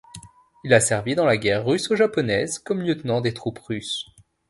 Il a servi dans la guerre russo-japonaise comme lieutenant des troupes russes.